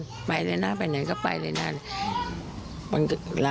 อันนี้ผู้หญิงบอกว่าช่วยด้วยหนูไม่ได้เป็นอะไรกันเขาจะปั้มหนูอะไรอย่างนี้